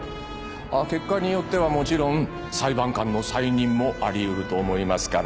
結果によってはもちろん裁判官の再任もあり得ると思いますから。